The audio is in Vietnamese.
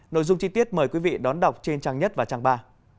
nội dung chi tiết mời quý vị đón đọc trên trang nhất và trang ba